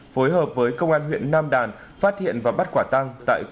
phối hợp với công an huyện nam đàn phát hiện và bắt quả tăng